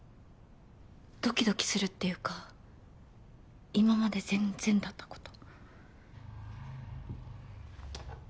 ドキドキするっていうか今まで全然だったこと。